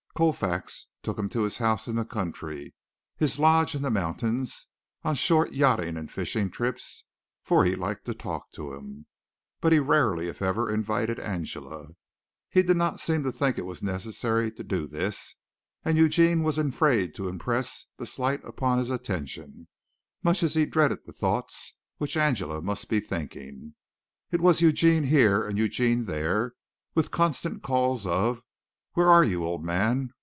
Colfax took him to his house in the country, his lodge in the mountains, on short yachting and fishing trips, for he liked to talk to him, but he rarely if ever invited Angela. He did not seem to think it was necessary to do this, and Eugene was afraid to impress the slight upon his attention, much as he dreaded the thoughts which Angela must be thinking. It was Eugene here and Eugene there, with constant calls of "where are you, old man?"